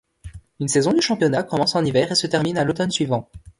Une saison du championnat commence en hiver et se termine à l'automne suivant.